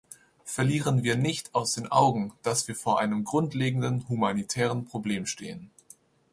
Verlieren wir nicht aus den Augen, dass wir vor einem grundlegenden humanitären Problem stehen.